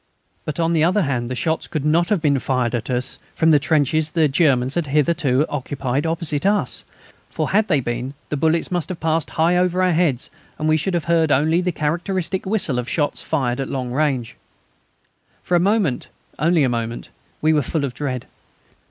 But on the other hand the shots could not have been fired from the trenches the Germans had hitherto occupied opposite us, for had they been the bullets must have passed high over our heads, and we should have heard only the characteristic whistle of shots fired at long range. For a moment, only a moment, we were full of dread.